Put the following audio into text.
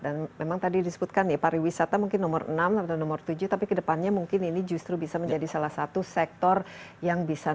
dan memang tadi disebutkan ya pariwisata mungkin nomor enam atau nomor tujuh tapi ke depannya mungkin ini justru bisa menjadi salah satu sektor yang bisa naik